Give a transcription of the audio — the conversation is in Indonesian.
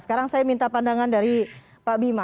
sekarang saya minta pandangan dari pak bima